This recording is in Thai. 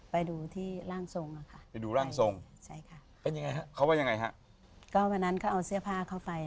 ไม่ได้เล่าค่ะเรื่องที่ว่าไปดูหมออะไร